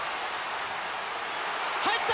入った！